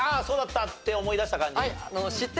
そうだったって思い出した感じ？